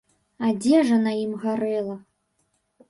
Адзежа на ім гарэла.